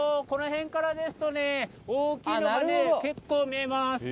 この辺からですとね、大きいのが、結構見えます。